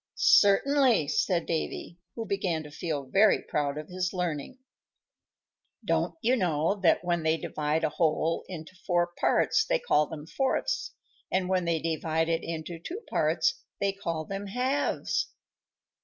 "Certainly," said Davy, who began to feel very proud of his learning. "Don't you know that when they divide a whole into four parts they call them fourths, and when they divide it into two parts they call them halves?"